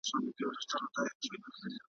قاتل ورک دی له قاضي له عدالته `